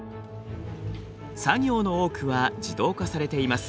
作業の多くは自動化されています。